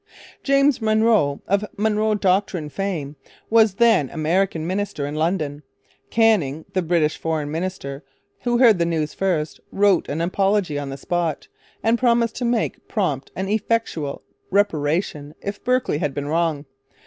James Monroe, of Monroe Doctrine fame, was then American minister in London. Canning, the British foreign minister, who heard the news first, wrote an apology on the spot, and promised to make 'prompt and effectual reparation' if Berkeley had been wrong.